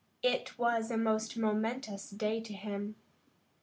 It was a most momentous day to him.